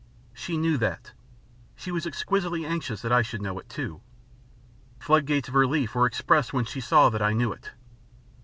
She knew that. She was exquisitely anxious that I should know it too. Floodgates of relief were expressed when she saw that I knew it.